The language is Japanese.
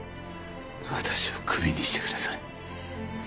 私をクビにしてください。